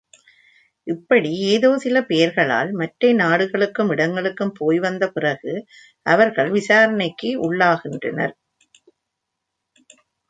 இப்படி ஏதோ சில பெயர்களால் மற்றை நாடுகளுக்கும் இடங்களுக்கும் போய்வந்த பிறகு அவர்கள் விசாரணைக்கு உள்ளாகின்றனர்.